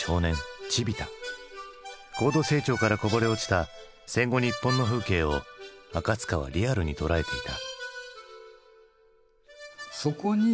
高度成長からこぼれ落ちた戦後日本の風景を赤塚はリアルに捉えていた。